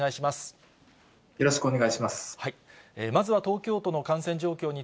まずは東京都の感染状況